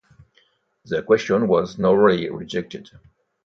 The question was narrowly rejected.